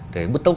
để bước tốc